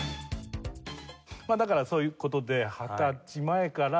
だからそういう事で二十歳前から。